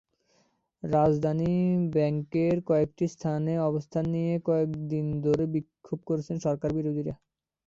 রাজধানী ব্যাংককের কয়েকটি স্থানে অবস্থান নিয়ে কয়েক দিন ধরে বিক্ষোভ করছেন সরকারবিরোধীরা।